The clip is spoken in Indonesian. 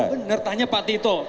bener tanya pak tito